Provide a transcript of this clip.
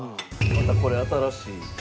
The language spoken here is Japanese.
またこれ新しい。